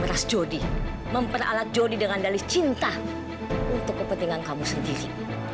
memeras jody memperalat jody dengan dalis cinta untuk kepentingan kamu sendiri